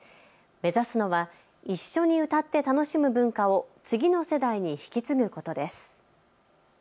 目指すのは一緒に歌って楽しむ文化を次の世代に引き継ぐことです。